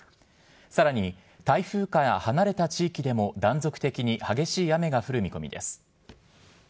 さらに、台風から離れた地域でも断続的に激しい雨が降る見込みです。